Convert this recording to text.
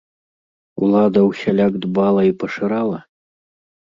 Улада ўсяляк дбала і пашырала?